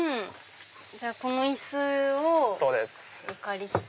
この椅子をお借りして。